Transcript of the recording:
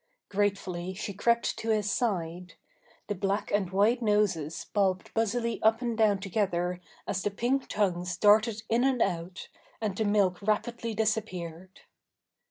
Gratefully she crept to his side; the black and white noses bobbed busily up and down together as the pink tongues darted in and out, and the milk rapidly disappeared.